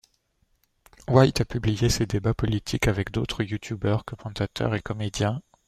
White a publiée ses débats politiques avec d'autres YouTubers, commentateurs et comédiens.